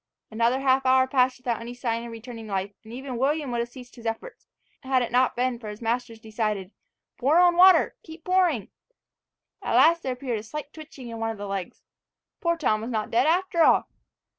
Another half hour passed without any sign of returning life; and even William would have ceased his efforts, had it not been for his master's decided "Pour on water! Keep pouring!" At last there appeared a slight twitching in one of the legs. Poor Tom was not dead after all.